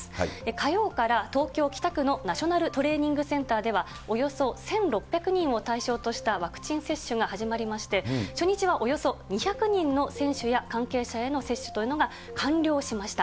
火曜から東京・北区のナショナルトレーニングセンターではおよそ１６００人を対象としたワクチン接種が始まりまして、初日はおよそ２００人の選手や関係者への接種というのが完了しました。